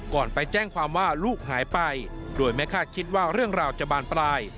ไปแจ้งความว่าลูกหายไปโดยไม่คาดคิดว่าเรื่องราวจะบานปลาย